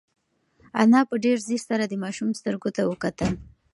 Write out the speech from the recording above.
انا په ډېر ځير سره د ماشوم سترګو ته وکتل.